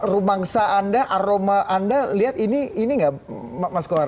rumangsa anda aroma anda lihat ini enggak mas kolar